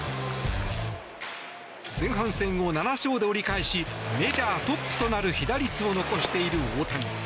前半戦を７勝で折り返しメジャートップとなる被打率を残している大谷。